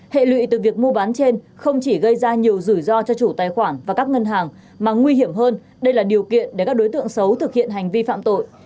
hệ lụy từ việc mua bán trên không chỉ gây ra nhiều rủi ro cho chủ tài khoản và các ngân hàng mà nguy hiểm hơn đây là điều kiện để các đối tượng xấu thực hiện hành vi phạm tội